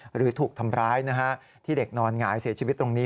หรือถูกทำร้ายที่เด็กนอนหงายเสียชีวิตตรงนี้